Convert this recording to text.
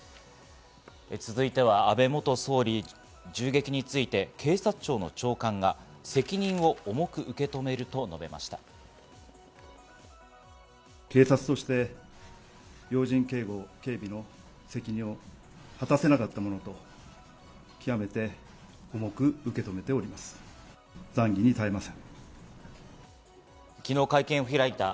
続いては、安倍元総理銃撃について警察庁の長官が責任を重く受け止めると話しました。